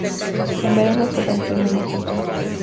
En verano se da un clima más templado.